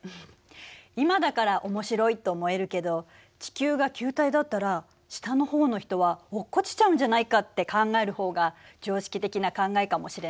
今だから面白いと思えるけど地球が球体だったら下の方の人は落っこちちゃうんじゃないかって考える方が常識的な考えかもしれないわね。